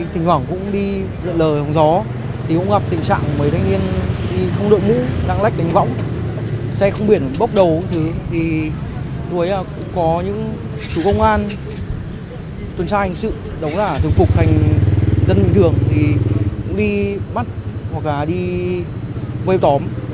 các đội mũ đang lách đánh võng xe không biển bốc đầu thì đối với có những chủ công an tuần tra hành sự đóng ra thường phục thành dân thường thì đi bắt hoặc là đi quay tóm